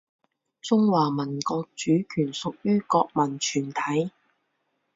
中华民国主权属于国民全体